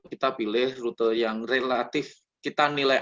kita pilih rute yang relatif kita nilai